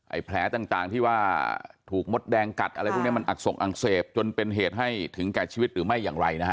แผลต่างที่ว่าถูกมดแดงกัดอะไรพวกนี้มันอักส่งอักเสบจนเป็นเหตุให้ถึงแก่ชีวิตหรือไม่อย่างไรนะฮะ